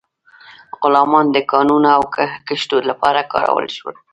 غلامان د کانونو او کښتونو لپاره کارول شول.